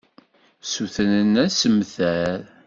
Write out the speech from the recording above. Ssutrent assemter.